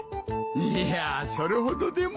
いやあそれほどでも。